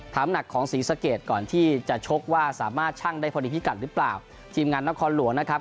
หนักของศรีสะเกดก่อนที่จะชกว่าสามารถชั่งได้พอดีพิกัดหรือเปล่าทีมงานนครหลวงนะครับ